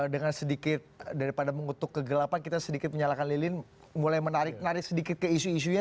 dengan sedikit daripada mengutuk kegelapan kita sedikit menyalakan lilin mulai menarik narik sedikit ke isu isunya